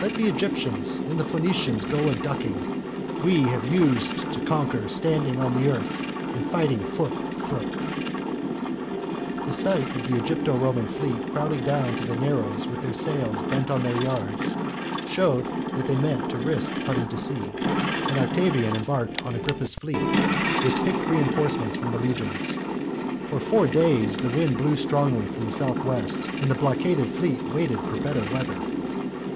Let the Egyptians And the Phoenicians go a ducking; we Have used to conquer standing on the earth, And fighting foot to foot." "Antony and Cleopatra," Act iii, scene 7. The sight of the Egypto Roman fleet crowding down to the narrows with their sails bent on their yards showed that they meant to risk putting to sea, and Octavian embarked on Agrippa's fleet, with picked reinforcements from the legions. For four days the wind blew strongly from the south west and the blockaded fleet waited for better weather.